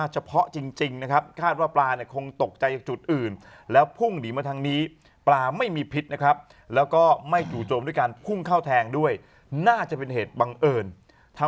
เพราะฉะนั้นนะคุณต้องฝึกอะไรรู้มั้ยคุณหนุ่ม